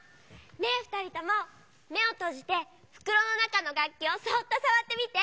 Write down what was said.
ねえふたりともめをとじてふくろのなかのがっきをそっとさわってみて！